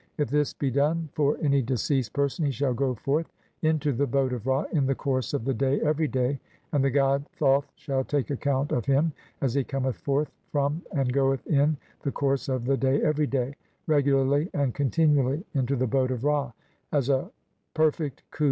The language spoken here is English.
IF THIS BE DONE FOR ANY DECEASED PERSON HE SHALL GO FORTH (12) INTO THE BOAT OF RA" IN THE COURSE OF THE DAY EVERY DAY, AND THE GOD THOTH SHALL TAKE ACCOUNT OF HIM AS HE COMETH FORTH FROM (l3) AND GOETH IN THE COURSE OF THE DAY EVERY DAY, REGULARLY AND CONTINUALLY, [INTO THE BOAT OF RA] AS A PERFECT KHU.